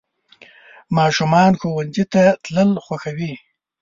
ماشومان ښوونځي ته تلل خوښوي.